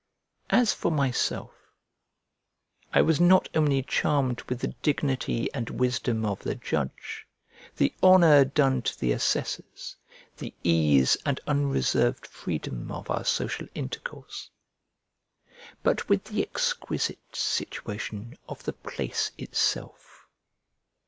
As for myself, I was not only charmed with the dignity and wisdom of the judge, the honour done to the assessors, the ease and unreserved freedom of our social intercourse, but with the exquisite situation of the place itself.